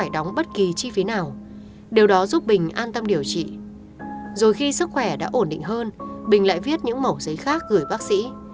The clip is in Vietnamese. rồi khi sức khỏe đã ổn định hơn bình lại viết những mẫu giấy khác gửi bác sĩ